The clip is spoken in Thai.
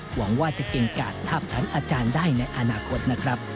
หวังว่าจะเก่งกาดทาบชั้นอาจารย์ได้ในอนาคตนะครับ